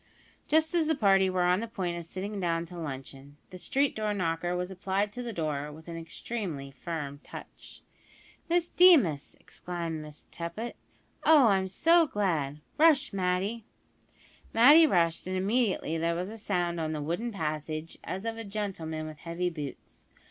Just as the party were on the point of sitting down to luncheon, the street door knocker was applied to the door with an extremely firm touch. "Miss Deemas!" exclaimed Miss Tippet. "Oh! I'm so glad. Rush, Matty." Matty rushed, and immediately there was a sound on the wooden passage as of a gentleman with heavy boots.